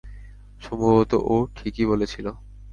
সম্ভবত ও ঠিকই বলেছিল।